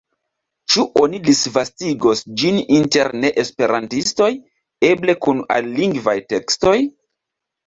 Ĉu oni disvastigos ĝin inter neesperantistoj, eble kun alilingvaj tekstoj?